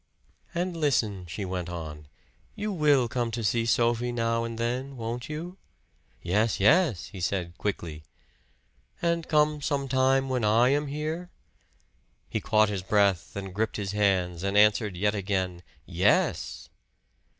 "And listen," she went on, "you will come to see Sophie now and then, won't you?" "Yes, yes," he said quickly. "And come some time when I am here." He caught his breath and gripped his hands and answered yet again, "Yes!"